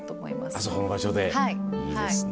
あそこの場所でいいですね。